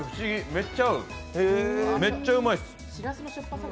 めっちゃ合うめっちゃうまいです。